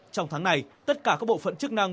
trong tháng này tất cả các bộ phận chức năng